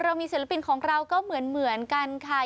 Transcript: เรามีศิลปินของเราก็เหมือนกันค่ะ